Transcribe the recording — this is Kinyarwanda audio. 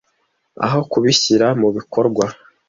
Aho kubishyira mu bikorwa.